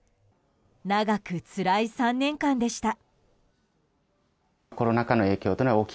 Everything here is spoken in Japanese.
長くつらい３年間でした。